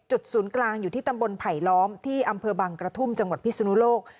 ศูนย์กลางอยู่ที่ตำบลไผลล้อมที่อำเภอบังกระทุ่มจังหวัดพิศนุโลก